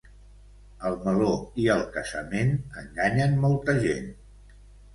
El meló i el casament enganyen molta gent.